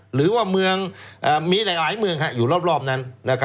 หรือว่ามีหลายเมืองอยู่รอบนั้น